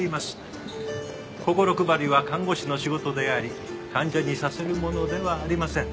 「心配りは看護師の仕事であり患者にさせるものではありません」。